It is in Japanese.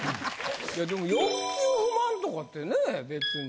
でも欲求不満とかってね別に。